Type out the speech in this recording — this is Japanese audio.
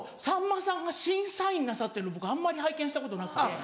さんまさんが審査員なさってるの僕あんまり拝見したことなくて。